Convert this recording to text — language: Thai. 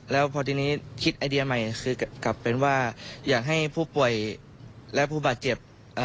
แล้วพอทีนี้คิดไอเดียใหม่คือกลับเป็นว่าอยากให้ผู้ป่วยและผู้บาดเจ็บ